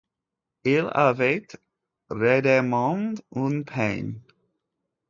Il avait redemandé un pain.